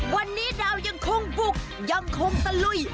วันนี้ดาวยังคงบุกยังคงตะลุย